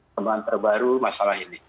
temuan terbaru masalah ini